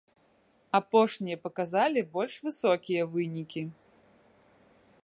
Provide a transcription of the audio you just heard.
Апошнія паказалі больш высокія вынікі.